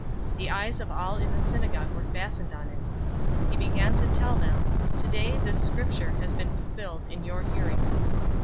The eyes of all in the synagogue were fastened on him. 004:021 He began to tell them, "Today, this Scripture has been fulfilled in your hearing."